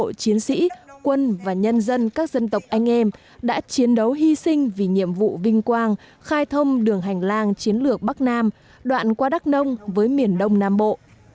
các cán bộ chiến sĩ quân và nhân dân các dân tộc anh em đã chiến đấu hy sinh vì nhiệm vụ vinh quang khai thông đường hành lang chiến lược bắc nam đoạn qua đắk nông với miền đông nam bộ